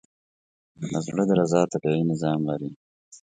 د زړه درزا طبیعي نظام لري.